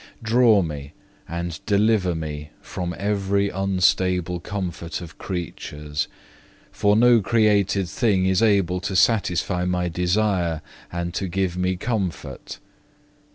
10. Draw me and deliver me from every unstable comfort of creatures, for no created thing is able to satisfy my desire and to give me comfort.